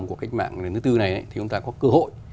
một cuộc cách mạng nước tư này thì chúng ta có cơ hội